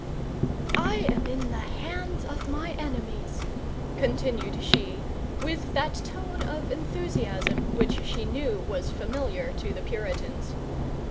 "I am in the hands of my enemies," continued she, with that tone of enthusiasm which she knew was familiar to the Puritans.